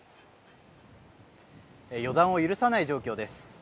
予断を許さない状況です。